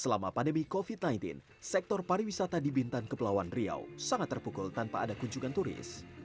selama pandemi covid sembilan belas sektor pariwisata di bintan kepulauan riau sangat terpukul tanpa ada kunjungan turis